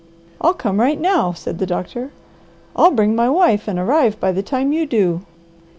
"I'll come right now," said the doctor. "I'll bring my wife and arrive by the time you do."